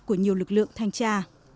của nhiều lực lượng thanh tra